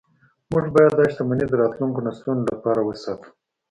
موږ باید دا شتمني د راتلونکو نسلونو لپاره وساتو